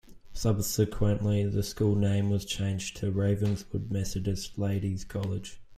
Subsequently, the school name was changed to Ravenswood Methodist Ladies' College.